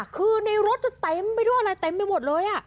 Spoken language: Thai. คือในรถจะเต็มไปด้วยอะไรเต็มไปหมดเลย